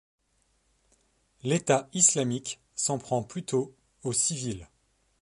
L'État islamique s'en prend plutôt aux civils.